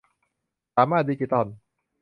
สามารถ ดิจิตอล